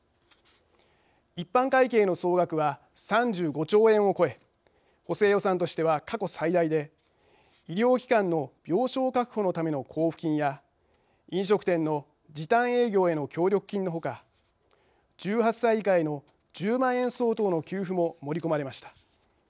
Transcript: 一般会計の総額は３５兆円を超え補正予算としては過去最大で医療機関の病床確保のための交付金や飲食店の時短営業への協力金のほか１８歳以下への１０万円相当の給付も盛り込まれました。